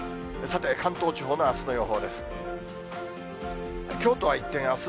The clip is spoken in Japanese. さて、関東地方のあすの予報です。